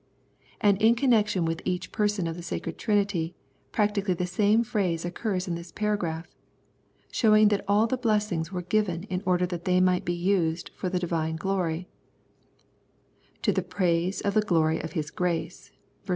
And in connection with each Person of the Sacred Trinity practically the same phrase occurs in this paragraph, showing that all the blessings were given in order that they might be used for the Divine glory :" To the praise of the glory of His grace " (ver.